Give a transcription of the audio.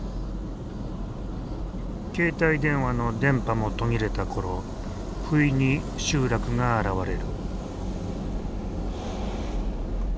携帯電話の電波も途切れたころふいに集落が現れる。